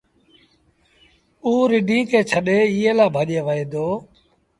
اوٚ رڍينٚ کي ڇڏي ايٚئي لآ ڀڄي وهي دو